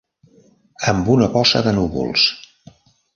Amb una bossa de núvols.